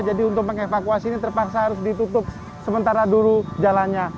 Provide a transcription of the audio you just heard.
jadi untuk mengevakuasi ini terpaksa harus ditutup sementara dulu jalannya